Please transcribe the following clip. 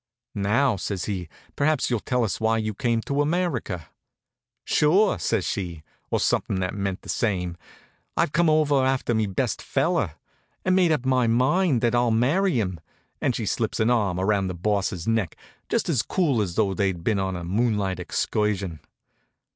"Now," says he, "perhaps you'll tell us why you came to America?" "Sure," says she, or something that meant the same, "I've come over after me best feller. I've made up my mind that I'll marry him," and she slips an arm around the Boss's neck just as cool as though they'd been on a moonlight excursion.